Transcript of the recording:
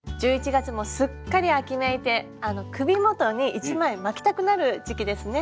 １１月もすっかり秋めいて首元に１枚巻きたくなる時期ですね。